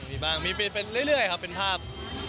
มีบ้างมีเป็นเรื่อยครับเป็นภาพ